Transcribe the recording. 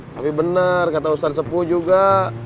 tapi bener kata ustaz sepu juga